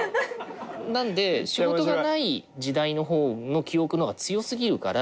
なんで仕事がない時代の方の記憶の方が強過ぎるから。